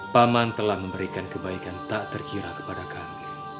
paman telah memberikan kebaikan tak terkira kepada kami